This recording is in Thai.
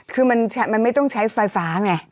คือมันไม่ต้องใช้ไฟฟ้าไง